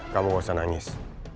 kamu gak usah nangis